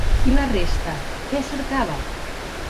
I la resta què cercava?